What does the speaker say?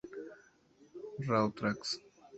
Raw Tracks